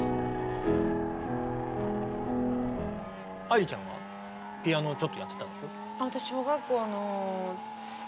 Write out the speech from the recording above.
愛理ちゃんはピアノちょっとやってたんでしょ？